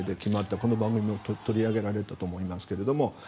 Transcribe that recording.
この番組でも取り上げられたと思いますが。